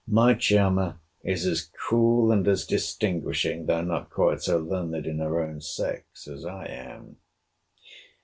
My charmer is as cool and as distinguishing, though not quite so learned in her own sex, as I am.